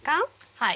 はい。